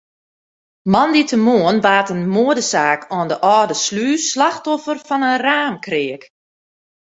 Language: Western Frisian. Moandeitemoarn waard in moadesaak oan de Alde Slûs slachtoffer fan in raamkreak.